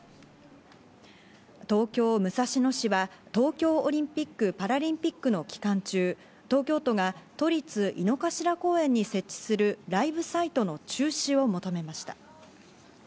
東京・武蔵野市は、東京オリンピック・パラリンピックの期間中、東京都が都立井の頭公園に設置するライブサイトの中止を求めました。